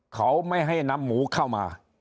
เขาไม่ให้นำหมูเข้ามา